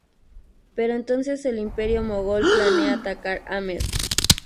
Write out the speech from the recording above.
Pero entonces el Imperio mogol planea atacar Amer.